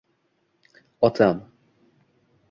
— Otam...